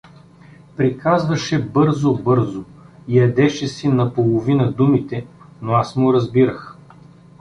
Приказваше бързо-бързо, ядеше си наполовина думите, но аз му разбирах.